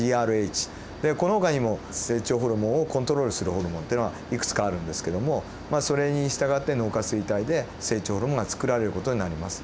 このほかにも成長ホルモンをコントロールするホルモンというのがいくつかあるんですけどもまあそれに従って脳下垂体で成長ホルモンがつくられる事になります。